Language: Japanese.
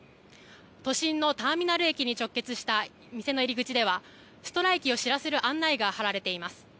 都心のターミナル駅に直結した店の入り口ではストライキを知らせる案内が貼られています。